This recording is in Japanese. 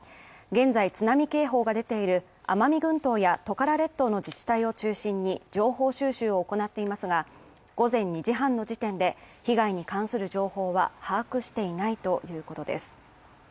現在津波警報が出ている奄美群島やトカラ列島の自治体を中心に情報収集を行っていますが、午前２時半の時点で被害に関する情報は把握していないということです。